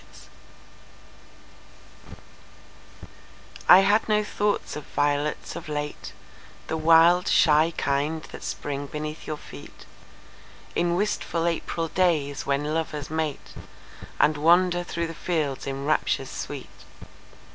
Sonnet I HAD no thought of violets of late, The wild, shy kind that spring beneath your feetIn wistful April days, when lovers mateAnd wander through the fields in raptures sweet.